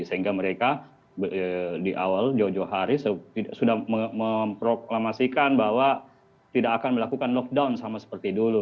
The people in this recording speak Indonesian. sehingga mereka di awal jauh jauh hari sudah memproklamasikan bahwa tidak akan melakukan lockdown sama seperti dulu